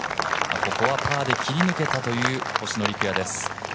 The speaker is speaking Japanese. ここはパーで切り抜けたという星野陸也です。